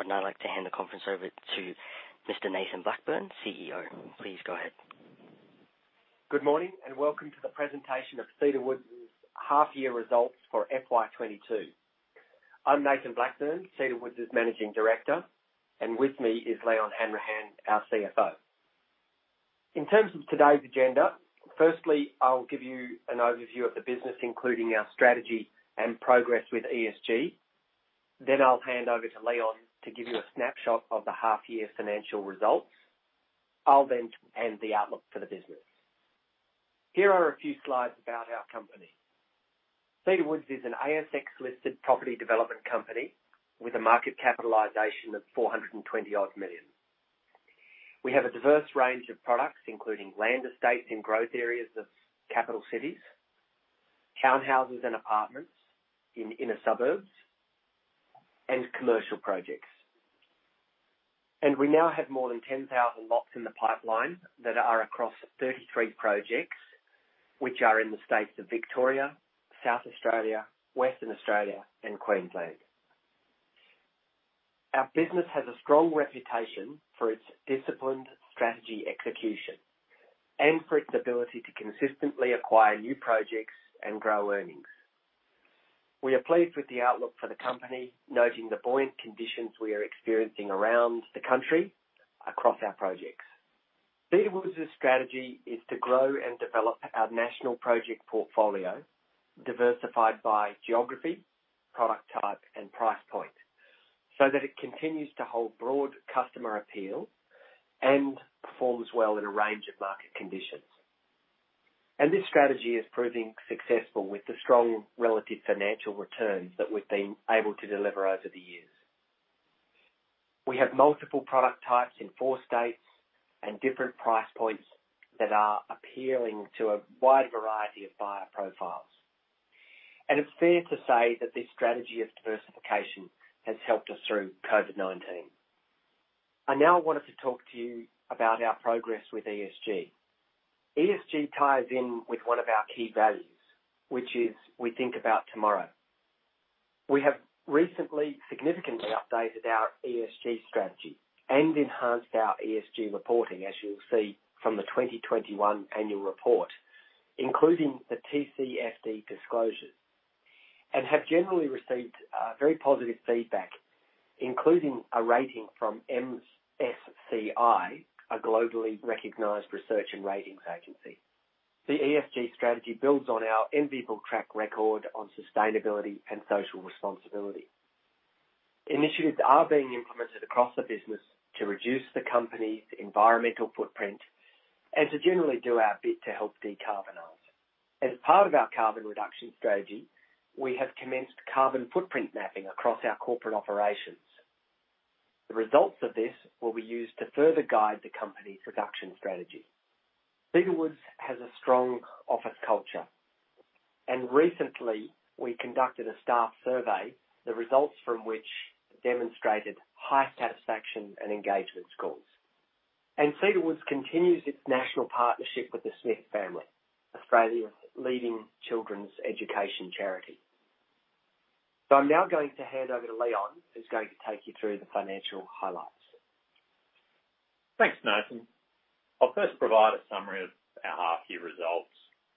I'd now like to hand the conference over to Mr. Nathan Blackburne, CEO. Please go ahead. Good morning, and welcome to the presentation of Cedar Woods half-year results for financial year 2022. I'm Nathan Blackburne, Cedar Woods Managing Director, and with me is Leon Hanrahan, our CFO. In terms of today's agenda, firstly, I'll give you an overview of the business, including our strategy and progress with ESG. Then I'll hand over to Leon to give you a snapshot of the half-year financial results. I'll then end with the outlook for the business. Here are a few slides about our company. Cedar Woods is an ASX-listed property development company with a market capitalization of 42 million. We have a diverse range of products, including land estates in growth areas of capital cities, townhouses and apartments in inner suburbs, and commercial projects. We now have more than 10,000 lots in the pipeline that are across 33 projects, which are in the states of Victoria, South Australia, Western Australia, and Queensland. Our business has a strong reputation for its disciplined strategy execution and for its ability to consistently acquire new projects and grow earnings. We are pleased with the outlook for the company, noting the buoyant conditions we are experiencing around the country across our projects. Cedar Woods strategy is to grow and develop our national project portfolio, diversified by geography, product type, and price point, so that it continues to hold broad customer appeal and performs well in a range of market conditions. This strategy is proving successful with the strong relative financial returns that we've been able to deliver over the years. We have multiple product types in four states and different price points that are appealing to a wide variety of buyer profiles. It's fair to say that this strategy of diversification has helped us through COVID-19. I now wanted to talk to you about our progress with ESG. ESG ties in with one of our key values, which is we think about tomorrow. We have recently significantly updated our ESG strategy and enhanced our ESG reporting, as you'll see from the 2021 annual report, including the TCFD disclosures, and have generally received very positive feedback, including a rating from MSCI, a globally recognized research and ratings agency. The ESG strategy builds on our enviable track record on sustainability and social responsibility. Initiatives are being implemented across the business to reduce the company's environmental footprint and to generally do our bit to help decarbonize. As part of our carbon reduction strategy, we have commenced carbon footprint mapping across our corporate operations. The results of this will be used to further guide the company's reduction strategy. Cedar Woods has a strong office culture. Recently, we conducted a staff survey, the results from which demonstrated high satisfaction and engagement scores. Cedar Woods continues its national partnership with The Smith Family, Australia's leading children's education charity. I'm now going to hand over to Leon, who's going to take you through the financial highlights. Thanks, Nathan. I'll first provide a summary of our half year results,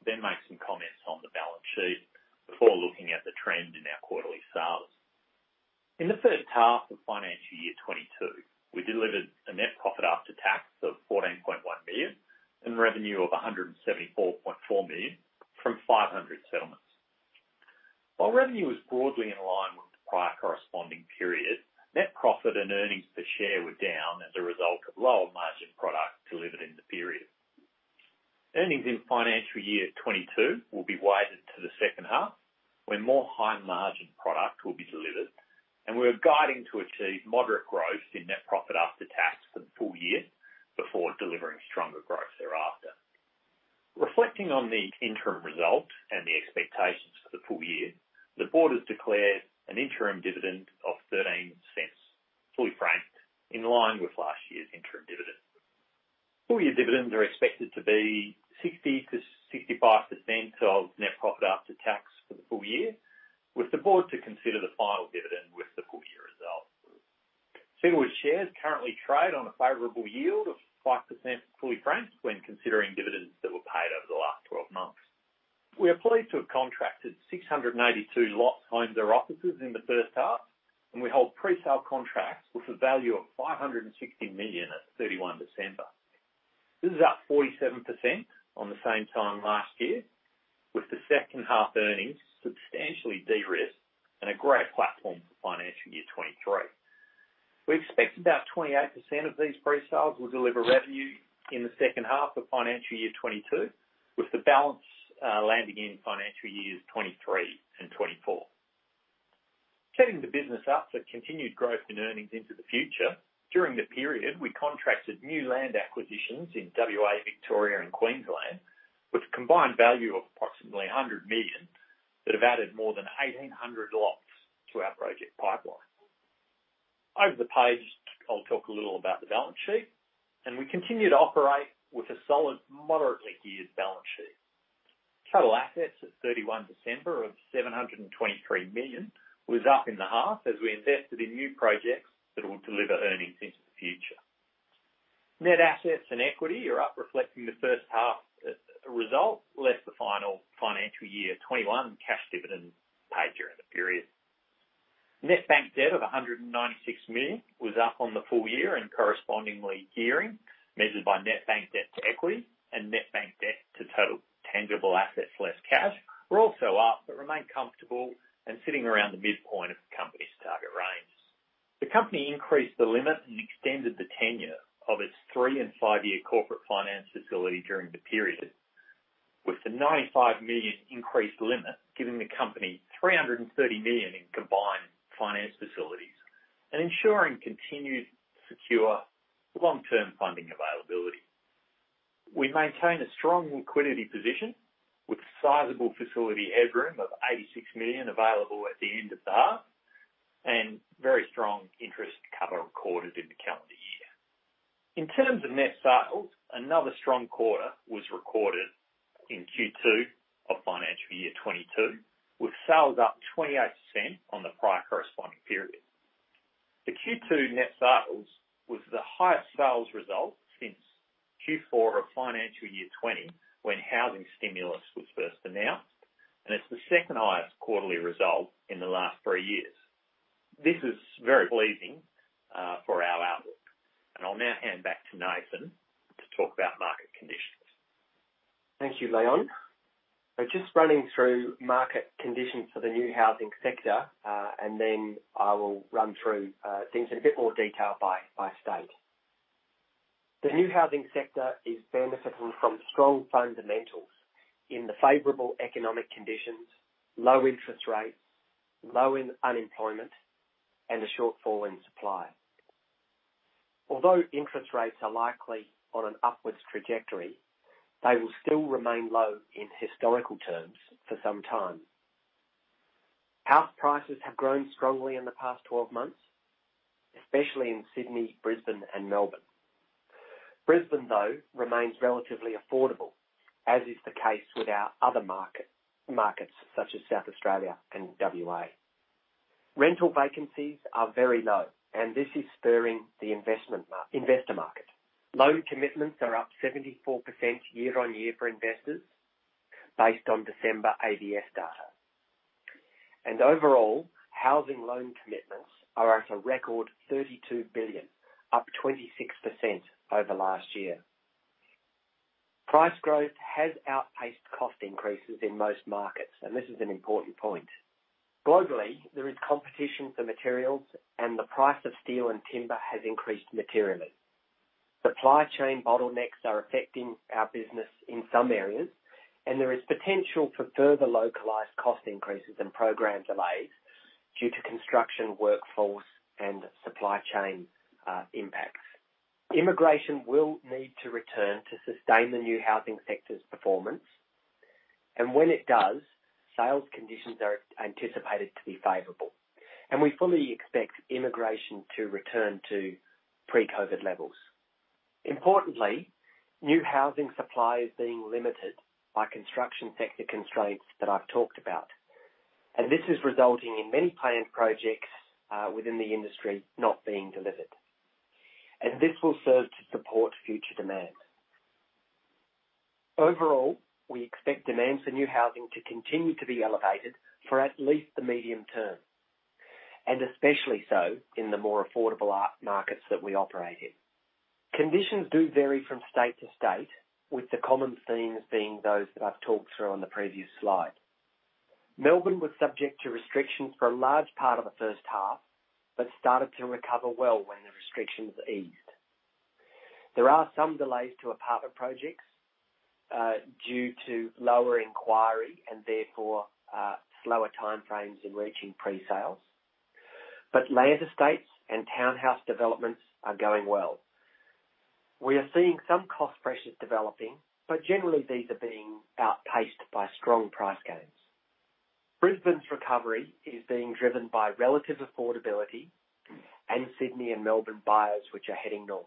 then make some comments on the balance sheet before looking at the trend in our quarterly sales. In the first half of financial year 2022, we delivered a net profit after tax of 14.1 million and revenue of 174.4 million from 500 settlements. While revenue was broadly in line with the prior corresponding period, net profit and earnings per share were down as a result of lower margin product delivered in the period. Earnings in financial year 2022 will be weighted to the second half, when more high-margin product will be delivered, and we're guiding to achieve moderate growth in net profit after tax for the full year before delivering stronger growth thereafter. Reflecting on the interim results and the expectations for the full year, the board has declared an interim dividend of 0.13, fully franked, in line with last year's interim dividend. Full year dividends are expected to be 60%-65% of net profit after tax for the full year, with the board to consider the final dividend with the full year results. Cedar Woods shares currently trade on a favorable yield of 5% fully franked when considering dividends that were paid over the last twelve months. We are pleased to have contracted 682 lot homes or offices in the first half, and we hold presale contracts with a value of 560 million at 31 December. This is up 47% on the same time last year, with the second half earnings substantially de-risked and a great platform for financial year 2023. We expect about 28% of these presales will deliver revenue in the second half of financial year 2022, with the balance landing in financial year 2023 and financial year 2024. Setting the business up for continued growth in earnings into the future, during the period, we contracted new land acquisitions in WA, Victoria, and Queensland with a combined value of approximately 100 million that have added more than 1,800 lots to our project pipeline. Over the page, I'll talk a little about the balance sheet, and we continue to operate with a solid, moderately geared balance sheet. Total assets at 31 December of 723 million was up in the half as we invested in new projects that will deliver earnings into the future. Net assets and equity are up reflecting the first half result, less the final financial year 2021 cash dividend paid during the period. Net bank debt of 196 million was up on the full year and correspondingly gearing measured by net bank debt to equity and net bank debt to total tangible assets less cash were also up, but remain comfortable and sitting around the midpoint of the company's target range. The company increased the limit and extended the tenure of its three and five-year corporate finance facility during the period, with the 95 million increased limit giving the company 330 million in combined finance facilities and ensuring continued secure long-term funding availability. We maintain a strong liquidity position with sizable facility headroom of 86 million available at the end of half and very strong interest cover recorded in the calendar year. In terms of net sales, another strong quarter was recorded in Q2 of financial year 2022, with sales up 28% on the prior corresponding period. The Q2 net sales was the highest sales result since Q4 of financial year 2020, when housing stimulus was first announced, and it's the second highest quarterly result in the last three years. This is very pleasing for our outlook. I'll now hand back to Nathan to talk about market conditions. Thank you, Leon. Just running through market conditions for the new housing sector, and then I will run through things in a bit more detail by state. The new housing sector is benefiting from strong fundamentals in the favorable economic conditions, low interest rates, low unemployment, and a shortfall in supply. Although interest rates are likely on an upwards trajectory, they will still remain low in historical terms for some time. House prices have grown strongly in the past 12 months, especially in Sydney, Brisbane, and Melbourne. Brisbane, though, remains relatively affordable, as is the case with our other markets such as South Australia and WA. Rental vacancies are very low, and this is spurring the investor market. Loan commitments are up 74% year-on-year for investors based on December ABS data. Overall, housing loan commitments are at a record AUD 32 billion, up 26% over last year. Price growth has outpaced cost increases in most markets, and this is an important point. Globally, there is competition for materials and the price of steel and timber has increased materially. Supply chain bottlenecks are affecting our business in some areas, and there is potential for further localized cost increases and program delays due to construction workforce and supply chain impacts. Immigration will need to return to sustain the new housing sector's performance. When it does, sales conditions are anticipated to be favorable. We fully expect immigration to return to pre-COVID levels. Importantly, new housing supply is being limited by construction sector constraints that I've talked about, and this is resulting in many planned projects within the industry not being delivered. This will serve to support future demand. Overall, we expect demand for new housing to continue to be elevated for at least the medium term, and especially so in the more affordable markets that we operate in. Conditions do vary from state to state, with the common themes being those that I've talked through on the previous slide. Melbourne was subject to restrictions for a large part of the first half, but started to recover well when the restrictions eased. There are some delays to apartment projects, due to lower inquiry and therefore, slower time frames in reaching pre-sales. Land estates and townhouse developments are going well. We are seeing some cost pressures developing, but generally these are being outpaced by strong price gains. Brisbane's recovery is being driven by relative affordability and Sydney and Melbourne buyers which are heading north.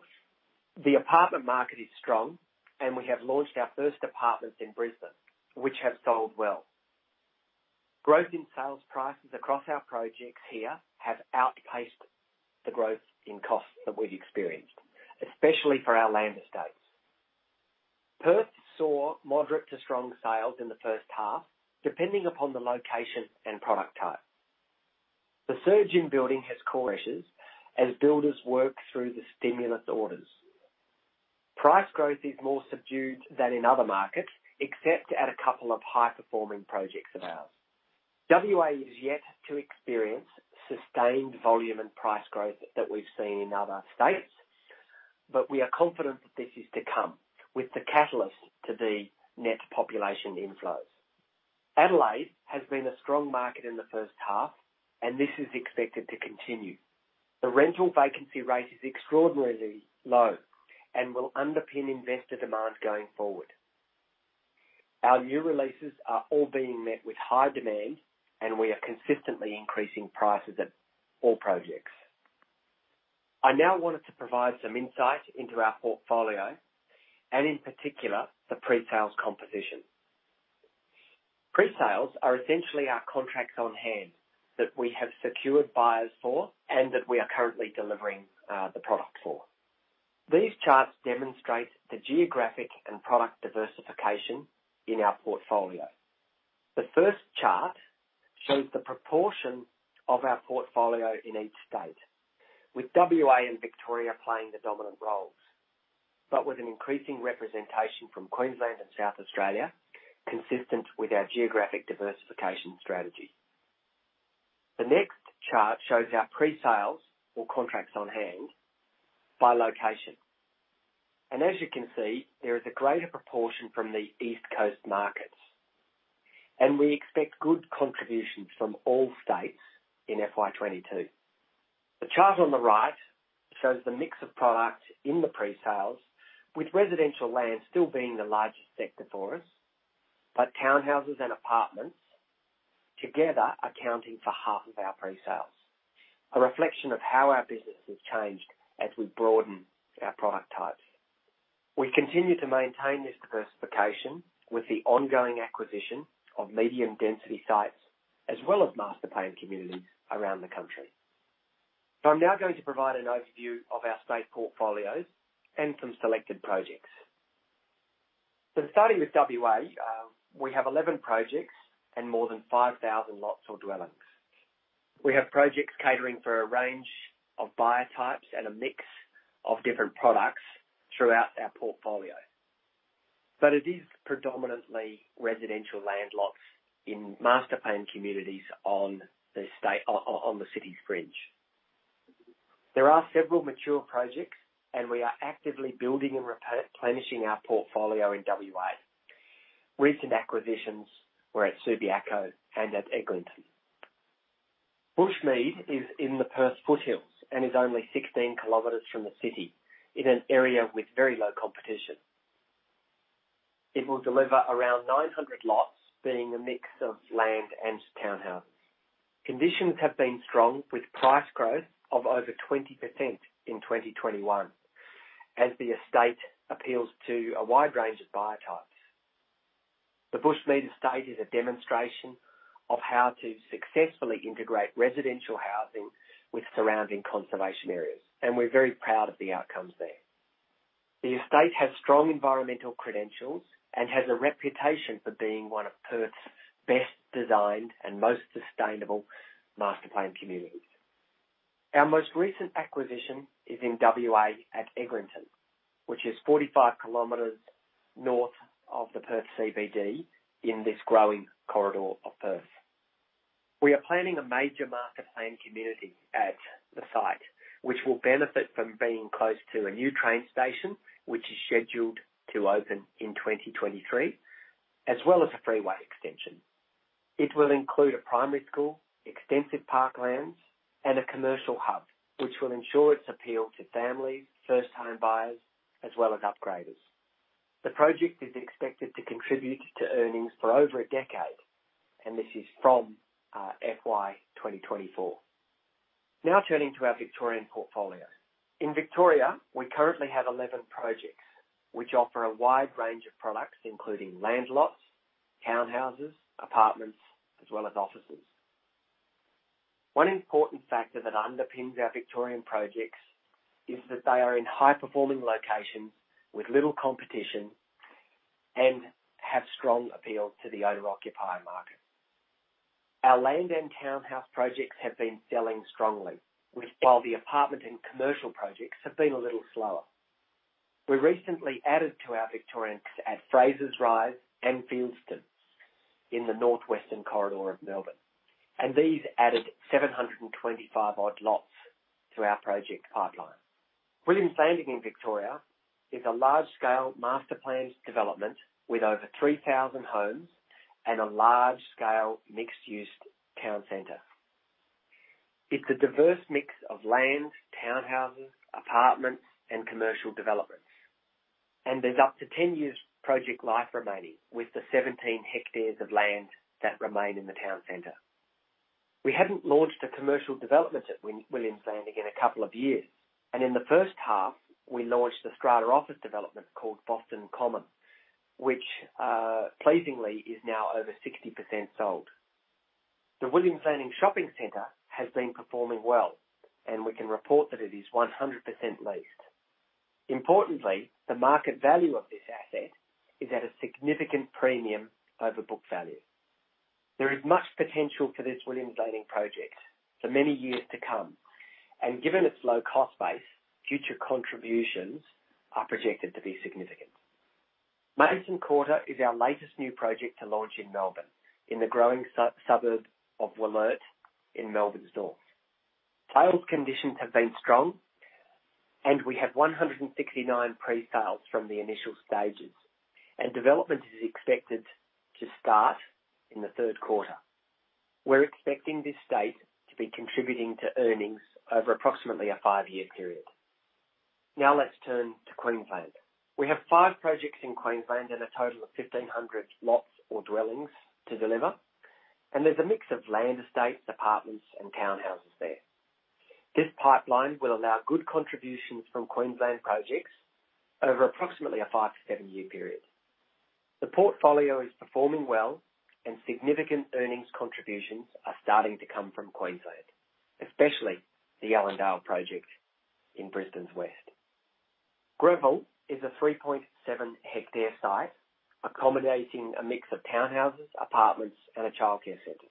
The apartment market is strong and we have launched our first apartments in Brisbane, which have sold well. Growth in sales prices across our projects here have outpaced the growth in costs that we've experienced, especially for our land estates. Perth saw moderate to strong sales in the first half, depending upon the location and product type. The surge in building has core issues as builders work through the stimulus orders. Price growth is more subdued than in other markets, except at a couple of high-performing projects of ours. WA is yet to experience sustained volume and price growth that we've seen in other states, but we are confident that this is to come with the catalyst to the net population inflows. Adelaide has been a strong market in the first half and this is expected to continue. The rental vacancy rate is extraordinarily low and will underpin investor demand going forward. Our new releases are all being met with high demand and we are consistently increasing prices at all projects. I now wanted to provide some insight into our portfolio and in particular, the pre-sales composition. Pre-sales are essentially our contracts on hand that we have secured buyers for and that we are currently delivering, the product for. These charts demonstrate the geographic and product diversification in our portfolio. The first chart shows the proportion of our portfolio in each state, with WA and Victoria playing the dominant roles, but with an increasing representation from Queensland and South Australia, consistent with our geographic diversification strategy. The next chart shows our pre-sales or contracts on hand by location. As you can see, there is a greater proportion from the East Coast markets, and we expect good contributions from all states in financial year 2022. The chart on the right shows the mix of products in the pre-sales, with residential land still being the largest sector for us, but townhouses and apartments together accounting for half of our pre-sales. A reflection of how our business has changed as we broaden our product types. We continue to maintain this diversification with the ongoing acquisition of medium-density sites, as well as master planned communities around the country. I'm now going to provide an overview of our state portfolios and some selected projects. Starting with WA, we have 11 projects and more than 5,000 lots or dwellings. We have projects catering for a range of buyer types and a mix of different products throughout our portfolio. It is predominantly residential land lots in master planned communities on the city's fringe. There are several mature projects, and we are actively building and replenishing our portfolio in WA. Recent acquisitions were at Subiaco and at Eglinton. Bushmead is in the Perth foothills and is only 16 km from the city in an area with very low competition. It will deliver around 900 lots, being a mix of land and townhouses. Conditions have been strong, with price growth of over 20% in 2021 as the estate appeals to a wide range of buyer types. The Bushmead estate is a demonstration of how to successfully integrate residential housing with surrounding conservation areas, and we're very proud of the outcomes there. The estate has strong environmental credentials and has a reputation for being one of Perth's best designed and most sustainable master planned communities. Our most recent acquisition is in WA at Eglinton, which is 45 km north of the Perth CBD in this growing corridor of Perth. We are planning a major master planned community at the site, which will benefit from being close to a new train station, which is scheduled to open in 2023, as well as a freeway extension. It will include a primary school, extensive parklands, and a commercial hub, which will ensure its appeal to families, first-time buyers, as well as upgraders. The project is expected to contribute to earnings for over a decade, and this is from FY 2024. Now turning to our Victorian portfolio. In Victoria, we currently have 11 projects which offer a wide range of products, including land lots, townhouses, apartments, as well as offices. One important factor that underpins our Victorian projects is that they are in high-performing locations with little competition and have strong appeal to the owner-occupier market. Our land and townhouse projects have been selling strongly, while the apartment and commercial projects have been a little slower. We recently added to our Victorian projects at Fraser Rise and Fieldstone in the northwestern corridor of Melbourne, and these added 725 odd lots to our project pipeline. Williams Landing in Victoria is a large-scale master planned development with over 3,000 homes and a large-scale mixed-use town center. It's a diverse mix of land, townhouses, apartments, and commercial developments, and there's up to 10 years project life remaining with the 17 hectares of land that remain in the town center. We hadn't launched a commercial development at Williams Landing in a couple of years, and in the first half, we launched a strata office development called Boston Common, which, pleasingly is now over 60% sold. The Williams Landing Shopping Center has been performing well, and we can report that it is 100% leased. Importantly, the market value of this asset is at a significant premium over book value. There is much potential for this Williams Landing project for many years to come. Given its low cost base, future contributions are projected to be significant. Madison Quarter is our latest new project to launch in Melbourne in the growing suburb of Wollert in Melbourne's north. Sales conditions have been strong and we have 169 pre-sales from the initial stages, and development is expected to start in the third quarter. We're expecting this state to be contributing to earnings over approximately a five-year period. Now let's turn to Queensland. We have five projects in Queensland and a total of 1,500 lots or dwellings to deliver, and there's a mix of land estates, apartments and townhouses there. This pipeline will allow good contributions from Queensland projects over approximately a five to seven-year period. The portfolio is performing well and significant earnings contributions are starting to come from Queensland, especially the Ellendale project in Brisbane's West. Greville is a 3.7-hectare site, accommodating a mix of townhouses, apartments and a childcare center.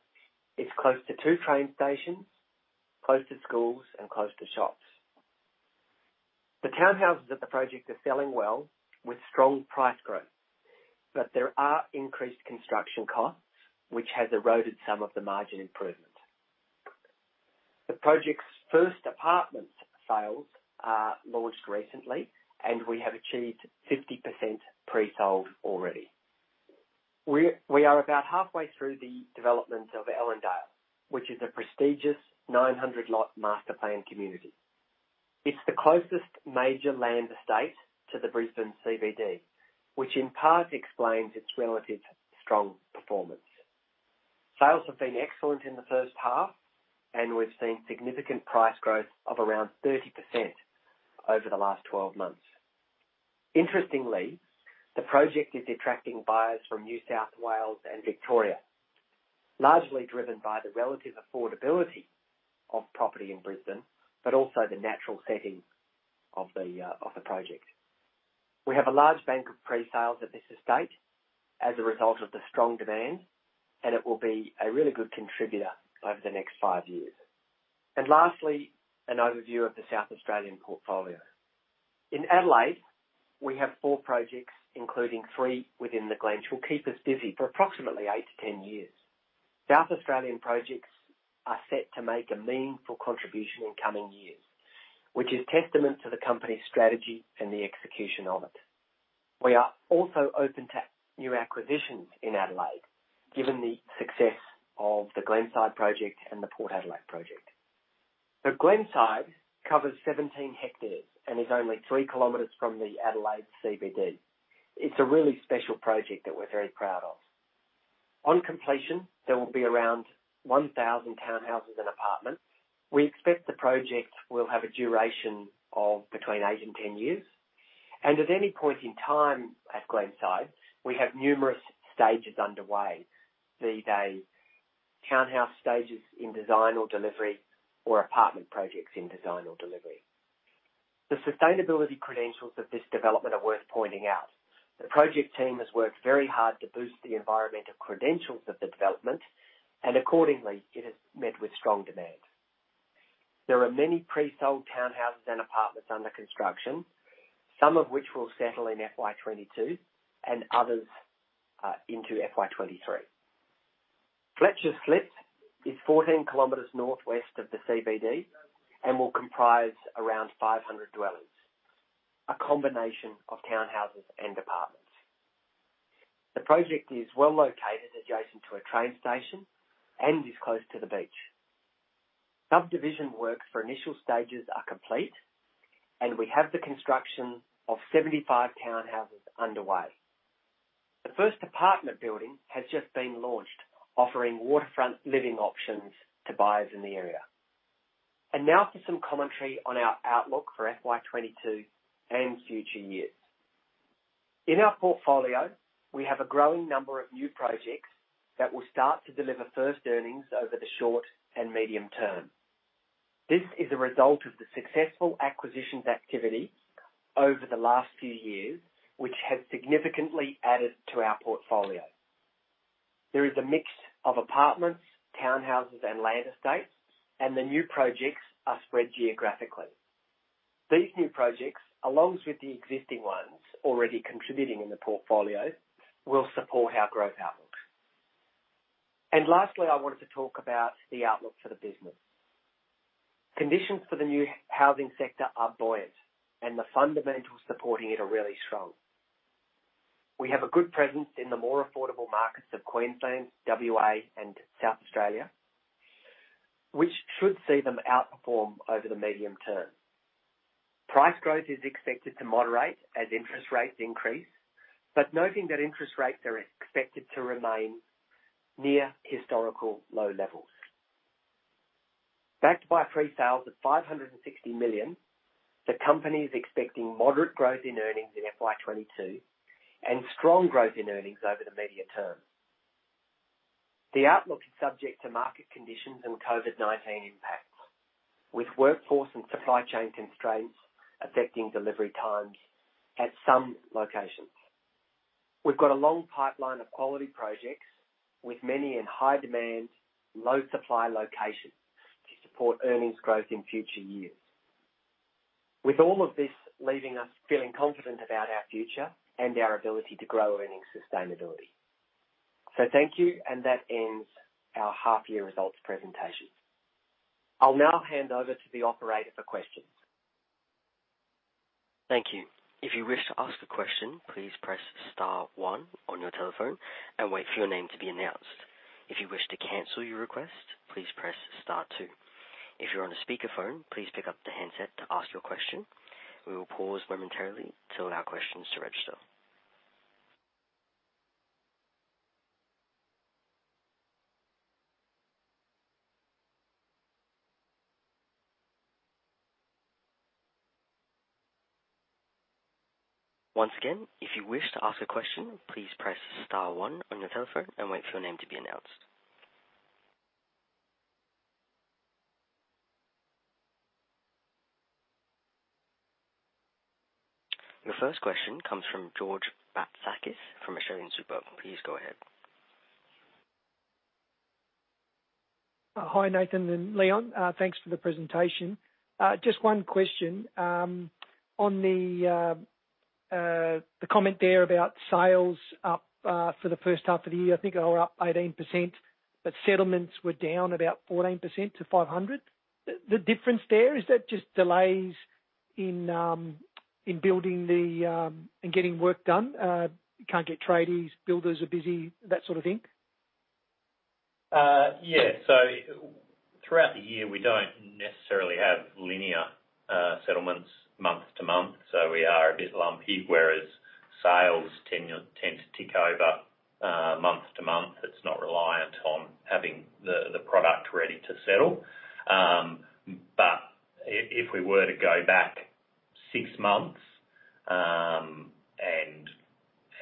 It's close to two train stations, close to schools and close to shops. The townhouses at the project are selling well with strong price growth, but there are increased construction costs, which has eroded some of the margin improvement. The project's first apartment sales launched recently and we have achieved 50% pre-sold already. We are about halfway through the development of Ellendale, which is a prestigious 900-lot master planned community. It's the closest major land estate to the Brisbane CBD, which in part explains its relative strong performance. Sales have been excellent in the first half, and we've seen significant price growth of around 30% over the last 12 months. Interestingly, the project is attracting buyers from New South Wales and Victoria, largely driven by the relative affordability of property in Brisbane, but also the natural setting of the project. We have a large bank of pre-sales at this estate as a result of the strong demand, and it will be a really good contributor over the next five years. Lastly, an overview of the South Australian portfolio. In Adelaide, we have four projects, including three within Glenside, that will keep us busy for approximately eight to 10 years. South Australian projects are set to make a meaningful contribution in coming years, which is testament to the company's strategy and the execution of it. We are also open to new acquisitions in Adelaide, given the success of the Glenside project and the Port Adelaide project. Glenside covers 17 hectares and is only 3 km from the Adelaide CBD. It's a really special project that we're very proud of. On completion, there will be around 1,000 townhouses and apartments. We expect the project will have a duration of between eight and 10 years, and at any point in time at Glenside, we have numerous stages underway, be they townhouse stages in design or delivery or apartment projects in design or delivery. The sustainability credentials of this development are worth pointing out. The project team has worked very hard to boost the environmental credentials of the development and accordingly, it has met with strong demand. There are many pre-sold townhouses and apartments under construction, some of which will settle in financial year 2022 and others into financial year 2023. Fletcher's Slip is 14 km northwest of the CBD and will comprise around 500 dwellings, a combination of townhouses and apartments. The project is well located adjacent to a train station and is close to the beach. Subdivision works for initial stages are complete and we have the construction of 75 townhouses underway. The first apartment building has just been launched, offering waterfront living options to buyers in the area. Now for some commentary on our outlook for financial year 2022 and future years. In our portfolio, we have a growing number of new projects that will start to deliver first earnings over the short and medium term. This is a result of the successful acquisitions activity over the last few years, which has significantly added to our portfolio. There is a mix of apartments, townhouses and land estates, and the new projects are spread geographically. These new projects, along with the existing ones already contributing in the portfolio, will support our growth outlook. Lastly, I wanted to talk about the outlook for the business. Conditions for the new housing sector are buoyant and the fundamentals supporting it are really strong. We have a good presence in the more affordable markets of Queensland, WA, and South Australia, which should see them outperform over the medium term. Price growth is expected to moderate as interest rates increase, but noting that interest rates are expected to remain near historical low levels. Backed by pre-sales of 560 million, the company is expecting moderate growth in earnings in FY 2022 and strong growth in earnings over the medium term. The outlook is subject to market conditions and COVID-19 impacts, with workforce and supply chain constraints affecting delivery times at some locations. We've got a long pipeline of quality projects with many in high demand, low supply locations to support earnings growth in future years. With all of this leaving us feeling confident about our future and our ability to grow earnings sustainability. Thank you. That ends our half year results presentation. I'll now hand over to the operator for questions. Thank you. If you wish to ask a question, please press star one on your telephone and wait for your name to be announced. If you wish to cancel your request, please press star two. If you're on a speakerphone, please pick up the handset to ask your question. We will pause momentarily to allow questions to register. Once again, if you wish to ask a question, please press star one on your telephone and wait for your name to be announced. Your first question comes from George Batsakis from Australian Super. Please go ahead. Hi, Nathan and Leon. Thanks for the presentation. Just one question. On the comment there about sales up for the first half of the year, I think they were up 18%, but settlements were down about 14% to 500. The difference there, is that just delays in building and getting work done? You can't get tradies, builders are busy, that sort of thing? Throughout the year, we don't necessarily have linear settlements month to month, so we are a bit lumpy, whereas sales tend to tick over month to month. It's not reliant on having the product ready to settle. If we were to go back six months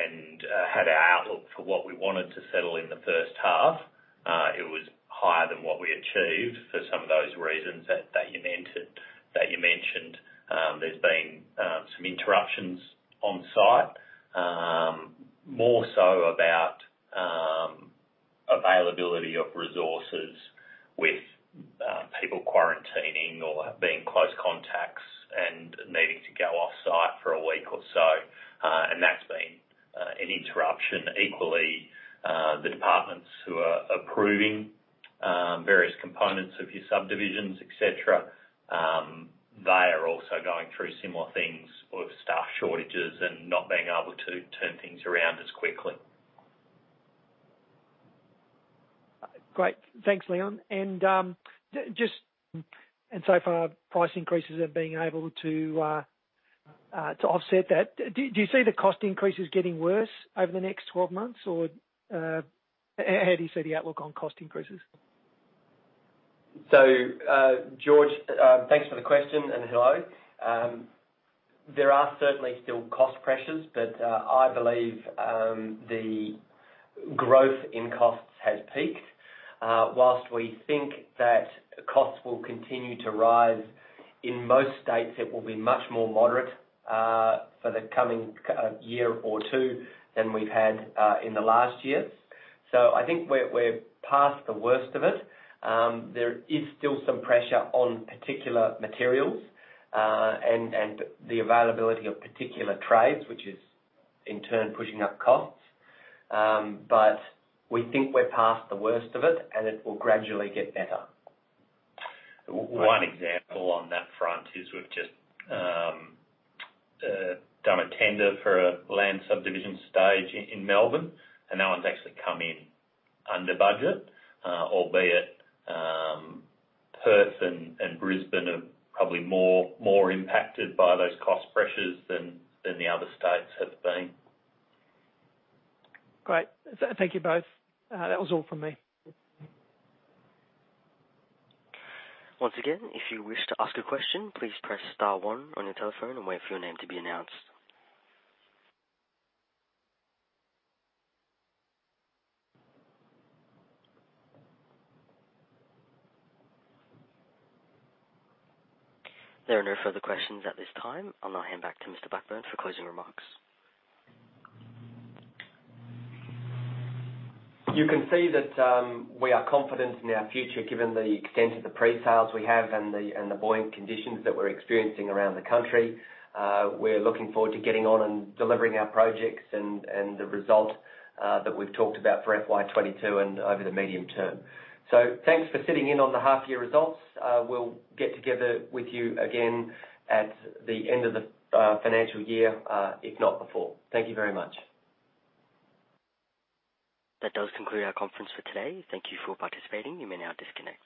and had our outlook for what we wanted to settle in the first half, it was higher than what we achieved for some of those reasons that you mentioned. There's been some interruptions on site. More so about availability of resources with people quarantining or being close contacts and needing to go off-site for a week or so. That's been an interruption. Equally, the departments who are approving various components of your subdivisions, et cetera, they are also going through similar things with staff shortages and not being able to turn things around as quickly. Great. Thanks, Leon. So far, price increases have been able to offset that. Do you see the cost increases getting worse over the next 12 months or how do you see the outlook on cost increases? George, thanks for the question, and hello. There are certainly still cost pressures, but I believe the growth in costs has peaked. While we think that costs will continue to rise, in most states it will be much more moderate for the coming year or two than we've had in the last years. I think we're past the worst of it. There is still some pressure on particular materials and the availability of particular trades, which is in turn pushing up costs. We think we're past the worst of it, and it will gradually get better. One example on that front is we've just done a tender for a land subdivision stage in Melbourne, and that one's actually come in under budget, albeit Perth and Brisbane are probably more impacted by those cost pressures than the other states have been. Great. Thank you both. That was all from me. Once again, if you wish to ask a question, please press star one on your telephone and wait for your name to be announced. There are no further questions at this time. I'll now hand back to Mr. Blackburne for closing remarks. You can see that, we are confident in our future given the extent of the pre-sales we have and the buoyant conditions that we're experiencing around the country. We're looking forward to getting on and delivering our projects and the result that we've talked about for FY 2022 and over the medium term. Thanks for sitting in on the half year results. We'll get together with you again at the end of the financial year, if not before. Thank you very much. That does conclude our conference for today. Thank you for participating. You may now disconnect.